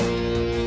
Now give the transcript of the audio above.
saya yang menang